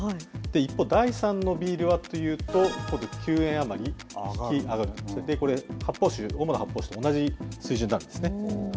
一方、第３のビールはというと、９円余り引き上げる、これ、発泡酒、主な発泡酒と同じ水準なんですね。